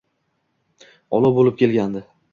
Olov bo’lib kelgandi.